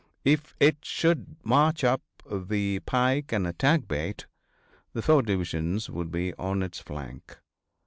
If it should march up the pike and attack Bate, the four divisions would be on its flank.